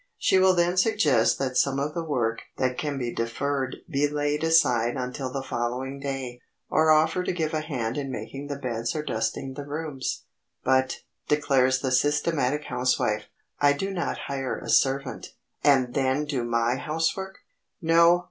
She will then suggest that some of the work that can be deferred be laid aside until the following day, or offer to give a hand in making the beds or dusting the rooms. "But," declares the systematic housewife, "I do not hire a servant,—and then do my housework!" No!